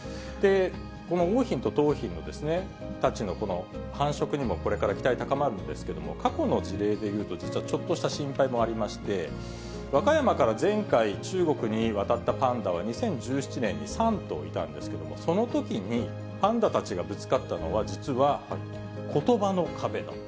この桜浜と桃浜たちの繁殖にもこれから期待高まるんですけれども、過去の事例でいうと、実はちょっとした心配もありまして、和歌山から前回、中国に渡ったパンダは、２０１７年に３頭いたんですけれども、そのときにパンダたちがぶつかったのは、実はことばの壁だと。